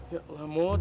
ya allah mut